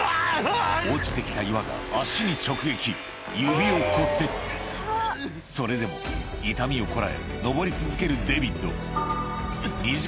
落ちて来た岩が足に直撃それでも痛みをこらえ登り続けるデビッド